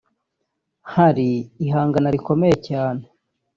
hari ihangana rikomeye cyane